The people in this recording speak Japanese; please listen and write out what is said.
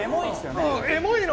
エモいの。